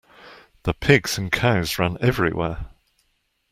The pigs and cows ran everywhere.